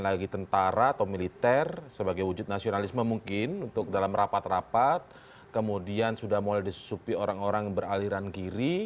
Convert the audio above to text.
apalagi tentara atau militer sebagai wujud nasionalisme mungkin untuk dalam rapat rapat kemudian sudah mulai disusupi orang orang beraliran kiri